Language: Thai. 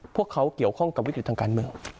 พวกเขาเกี่ยวข้องกับวิกฤติทางการเมือง